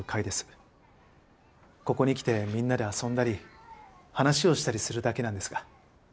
ここに来てみんなで遊んだり話をしたりするだけなんですが。